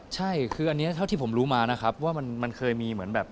ใช่คืออันนี้เท่าที่ผมรู้มานะครับว่ามันเคยมีเหมือนแบบ